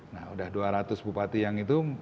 nah udah dua ratus bupati yang itu